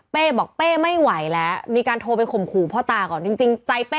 เป้บอกเป้ไม่ไหวแล้วมีการโทรไปข่มขู่พ่อตาก่อน